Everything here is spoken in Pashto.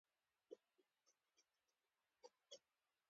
د دوولسمې پېړۍ ایراني صوفیان هم په همدې ډلې کې شامل شول.